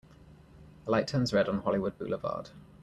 A light turns red on Hollywood Boulevard.